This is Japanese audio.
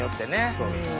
そうですね。